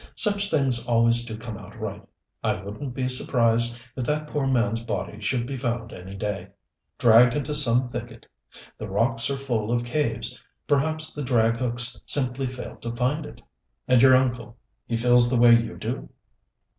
Such things always do come out right. I wouldn't be surprised if that poor man's body should be found any day, dragged into some thicket. The rocks are full of caves perhaps the drag hooks simply failed to find it." "And your uncle he feels the way you do?"